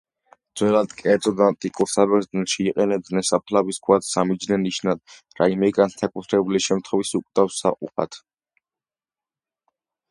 ძველად, კერძოდ ანტიკურ საბერძნეთში, იყენებდნენ საფლავის ქვად, სამიჯნე ნიშნად, რაიმე განსაკუთრებული შემთხვევის უკვდავსაყოფად.